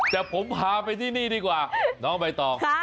แต่ผมพาไปที่นี่ดีกว่าน้องใบตอง